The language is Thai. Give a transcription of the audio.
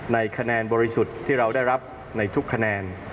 ในคะแนนบริสุทธิ์ที่เราได้รับในทุกคะแนน